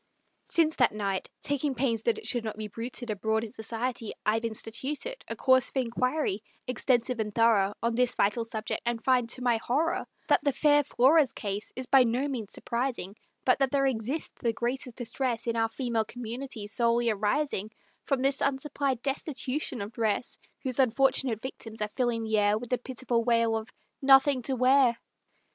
Since that night, taking pains that it should not be bruited Abroad in society, I've instituted A course of inquiry, extensive and thorough, On this vital subject, and find, to my horror, That the fair Flora's case is by no means surprising, But that there exists the greatest distress In our female community, solely arising From this unsupplied destitution of dress, Whose unfortunate victims are filling the air With the pitiful wail of "Nothing to wear."